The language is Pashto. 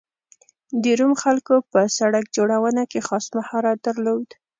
د روم خلکو په سړک جوړونه کې خاص مهارت درلود